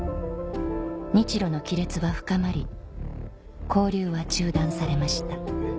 日露の亀裂は深まり交流は中断されました